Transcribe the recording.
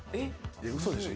嘘でしょ